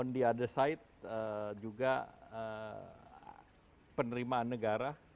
di sisi lain juga penerimaan negara